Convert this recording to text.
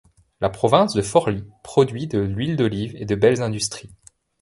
La province de Forli produit de l'huile d'olive et de belles industries.